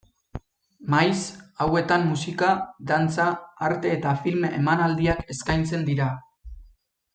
Maiz, hauetan musika, dantza, arte eta film emanaldiak eskaintzen dira.